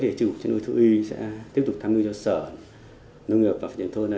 thì chủ truyền nuôi thu y sẽ tiếp tục tham ngư cho sở nông nghiệp và phát triển thôn